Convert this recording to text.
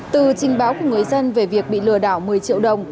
từ trình báo của người dân về việc bị lừa đảo một mươi triệu đồng